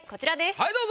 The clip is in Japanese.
はいどうぞ。